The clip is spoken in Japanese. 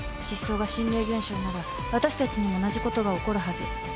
失踪が心霊現象なら私たちにも同じことが起こるはず。